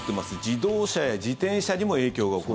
自動車や自転車にも影響が起こる。